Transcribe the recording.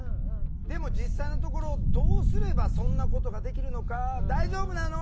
でも実際のところどうすればそんなことができるのか大丈夫なの？